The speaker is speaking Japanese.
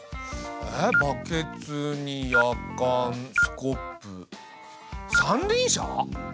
バケツにヤカンスコップ三輪車！？